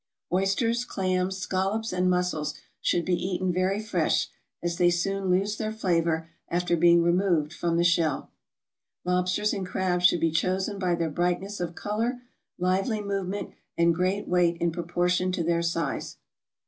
Oysters, clams, scallops, and mussels, should be eaten very fresh, as they soon lose their flavor after being removed from the shell. Lobsters and crabs should be chosen by their brightness of color, lively movement, and great weight in proportion to their size.